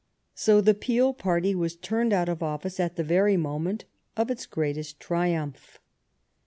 So the Peel party was turned out of office at the very moment of its greatest triumph.